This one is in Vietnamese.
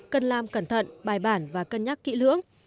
cần làm cẩn thận bài bản và cân nhắc kỹ lưỡng